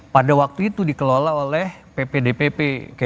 pada waktu itu dikelola oleh ppdpp